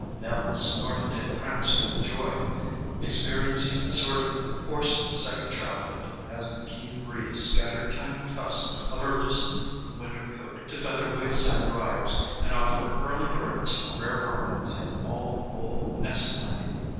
Nell snorted and pranced with joy, experiencing a sort of horse second childhood as the keen breeze scattered tiny tufts of her loosened winter coat to feather wayside briars and offer early birds rare bargains in all wool nest lining.